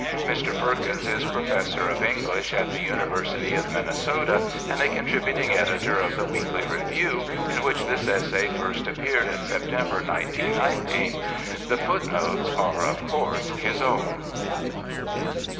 Mr. Firkins is professor of English at the University of Minnesota, and a contributing editor of The Weekly Review, in which this essay first appeared in September, 1919. The footnotes are, of course, his own.